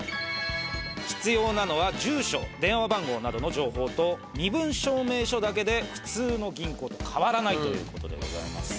必要なのは住所電話番号などの情報と身分証明書だけで普通の銀行とかわらないということでございます。